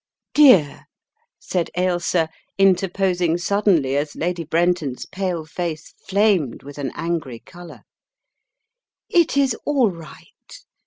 "Dear," said Ailsa, interposing suddenly as Lady Brenton's pale face flamed with an angry colour, "it is all right.